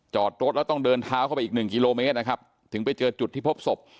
จอดรถแล้วต้องเดินเท้าเข้าไปอีกหนึ่งกิโลเมตรนะครับถึงไปเจอจุดที่พบศพ